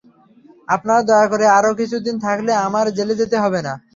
আপনারা দয়া করে আরও কিছুদিন থাকলে, আমাকে জেলে যেতে হবে না।